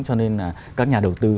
cho nên là các nhà đầu tư